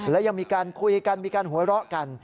และยังมีการคุยกันมีการหัวเราะกัน